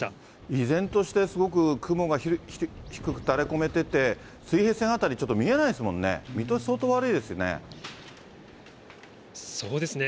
依然として、すごく雲が低く垂れこめてて、水平線辺りちょっと見えないですもそうですね。